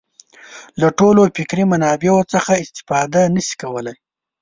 له ټولو فکري منابعو څخه استفاده نه شي کولای.